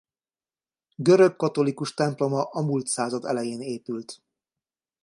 Görög katholikus temploma a mult század elején épült.